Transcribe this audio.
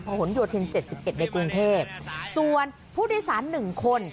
พหลโยธินเจ็ดสิบเอ็ดในกรุงเทพส่วนผู้โดยสารหนึ่งคน